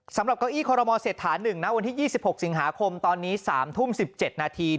เก้าอี้คอรมอเศรษฐา๑ณวันที่๒๖สิงหาคมตอนนี้๓ทุ่ม๑๗นาที